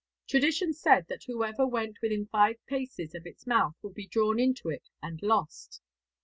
Tradition said that whoever went within five paces of its mouth would be drawn into it and lost.